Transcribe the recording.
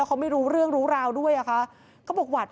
ครับ